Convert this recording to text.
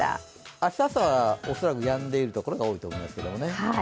明日朝はおそらくやんでいるところが多いと思いますけどね。